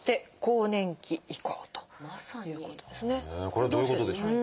これはどういうことでしょう？